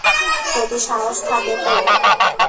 যদি সাহস থাকে তো।